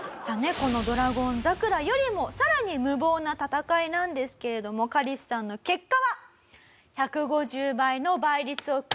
この『ドラゴン桜』よりもさらに無謀な戦いなんですけれどもカリスさんの結果は。